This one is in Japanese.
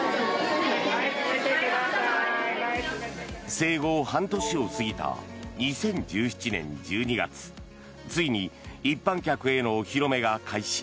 生後半年を過ぎた２０１７年１２月ついに一般客へのお披露目が開始。